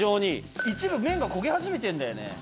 一部麺が焦げ始めてんだよね。